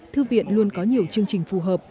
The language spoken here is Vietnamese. thư viện luôn có nhiều chương trình phù hợp